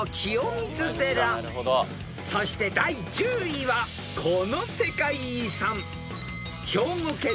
［そして第１０位はこの世界遺産］